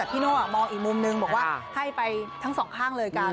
พี่โน่มองอีกมุมนึงบอกว่าให้ไปทั้งสองข้างเลยกัน